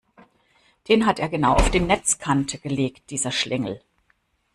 Den hat er genau auf die Netzkante gelegt, dieser Schlingel!